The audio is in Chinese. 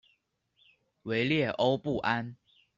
维列欧布安。